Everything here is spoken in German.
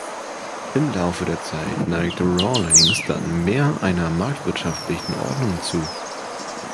Im Laufe der Zeit neigte Rawlings dann mehr einer marktwirtschaftlichen Ordnung zu.